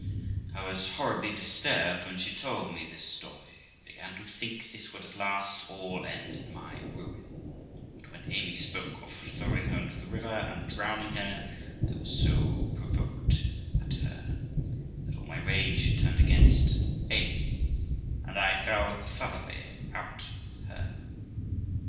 I was horribly disturbed when she told me this story, and began to think this would, at last, all end in my ruin ; but, when Amy spoke of throwing her into the river and drowning her, I was so provoked at her that all my rage turned against Amy, and I fell thoroughly out with her.